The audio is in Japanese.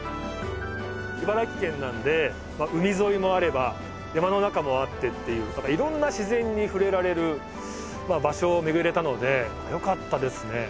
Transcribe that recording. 茨城県なんで海沿いもあれば山の中もあってっていういろんな自然に触れられる場所を巡れたのでよかったですね。